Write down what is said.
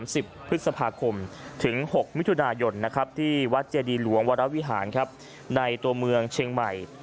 ที่จัดขึ้นระหว่างวันที่๓๐พฤษภาคมถึง๖มิถุนายนที่วัดเจดีหลวงวรวิหารในตัวเมืองเชียงใหม่